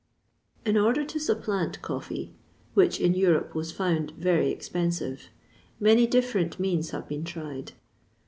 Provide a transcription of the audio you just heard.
In order to supplant coffee, which in Europe was found very expensive, many different means have been tried.